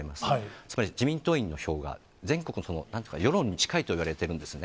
つまり、自民党員の票が全国に、世論に近いといわれてるんですね。